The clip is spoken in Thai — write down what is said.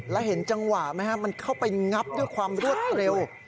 แล้วเห็นจังหวะไหมฮะมันเข้าไปงับด้วยความรวดเร็ว